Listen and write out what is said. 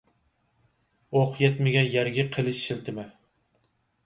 ئوق يەتمىگەن يەرگە قېلىچ شىلتىمە.